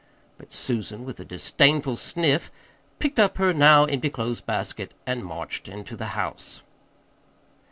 But Susan, with a disdainful sniff, picked up her now empty clothes basket and marched into the house.